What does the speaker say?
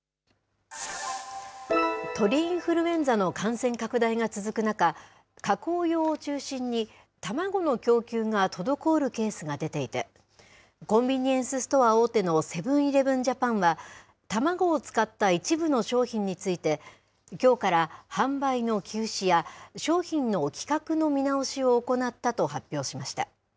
鳥インフルエンザの感染拡大が続く中、加工用を中心に、卵の供給が滞るケースが出ていて、コンビニエンスストア大手のセブン−イレブン・ジャパンは、卵を使った一部の商品について、きょうから販売の休止や商品の規格の見直しを行ったと発表しました。